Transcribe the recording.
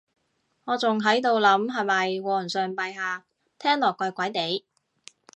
我仲喺度諗係咪皇上陛下，聽落怪怪哋